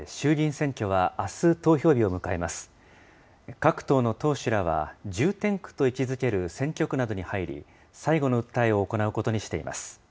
各党の党首らは、重点区と位置づける選挙区などに入り、最後の訴えを行うことにしています。